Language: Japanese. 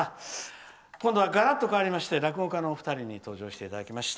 今度はガラッと変わりまして落語家のお二人に登場していただきました。